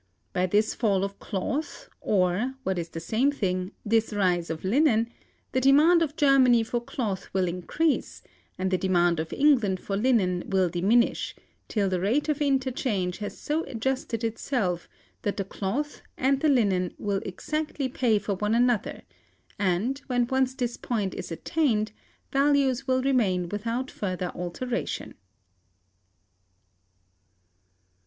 By this fall of cloth, or, what is the same thing, this rise of linen, the demand of Germany for cloth will increase, and the demand of England for linen will diminish, till the rate of interchange has so adjusted itself that the cloth and the linen will exactly pay for one another; and, when once this point is attained, values will remain without further alteration."